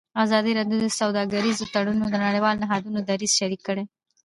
ازادي راډیو د سوداګریز تړونونه د نړیوالو نهادونو دریځ شریک کړی.